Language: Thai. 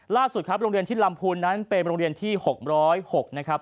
ล่าสุดครับโรงเรียนที่ลำพูนนั้นเป็นโรงเรียนที่๖๐๖นะครับ